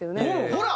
ほら！